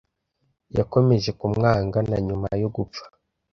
Yakomeje kumwanga, na nyuma yo gupfa.